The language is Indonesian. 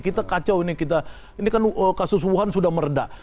kita kacau ini ini kan kasus wuhan sudah meredak